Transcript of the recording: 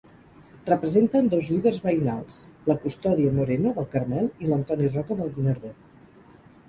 Representen dos líders veïnals: la Custòdia Moreno del Carmel i l’Antoni Roca del Guinardó.